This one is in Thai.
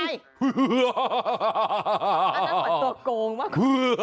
อันนั้นควรตัวโกงมาก